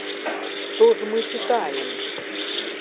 Што ж мы чытаем?